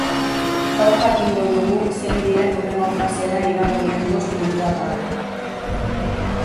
Gaur jakingo dugu zein diren hurrengo fasera igaro diren bost lipdubak.